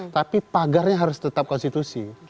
tapi pagarnya harus tetap konstitusi